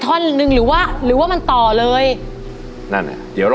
นักร้องบรรโนคนมี